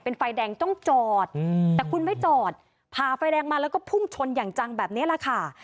เป็นไฟแดงต้องจอดแต่คุณไม่จอดผ่าไฟแดงมาแล้วก็พุ่งชนอย่างจังแบบนี้แหละค่ะ